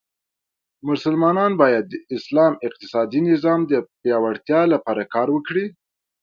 مسلمانان باید د اسلام اقتصادې نظام د پیاوړتیا لپاره کار وکړي.